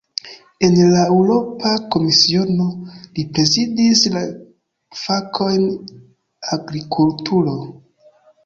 En la Eŭropa Komisiono, li prezidis la fakojn "agrikulturo".